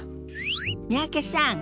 三宅さん